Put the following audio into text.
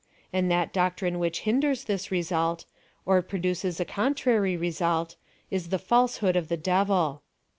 And that doctrine which hinders (his resuit, or produces a contrary result, is the falsehood of the devil.